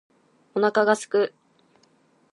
お腹が空く